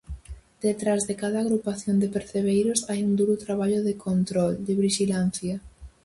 Detrás de cada agrupación de percebeiros hai un duro traballo de control, de vixilancia.